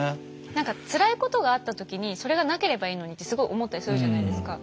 何かつらいことがあった時にそれがなければいいのにってすごい思ったりするじゃないですか。